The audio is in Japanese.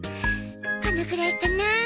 このぐらいかな。